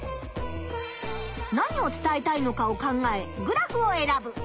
何を伝えたいのかを考えグラフを選ぶ。